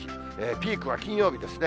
ピークは金曜日ですね。